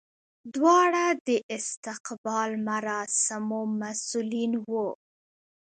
دواړه د استقبال مراسمو مسولین وو.